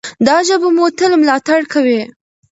دا ژبه به مو تل ملاتړ کوي.